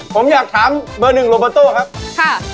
ผมอยากถามเบอร์๑โรบาโต้ครับ